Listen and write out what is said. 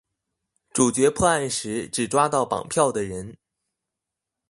主角破案時只抓到綁票的人